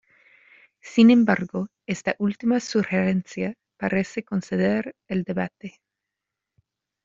Sin embargo esta última sugerencia parece conceder el debate.